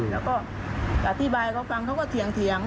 แล้วก็อธิบายเขาฟังเขาก็เถียง